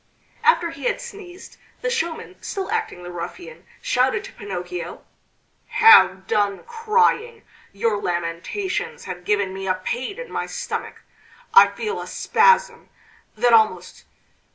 After he had sneezed, the showman, still acting the ruffian, shouted to Pinocchio: "Have done crying! Your lamentations have given me a pain in my stomach ... I feel a spasm, that almost....